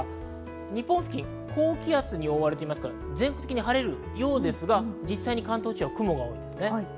日本付近、高気圧に覆われていますが、全体的に晴れるようですが、実際に関東地方は雲が多いですね。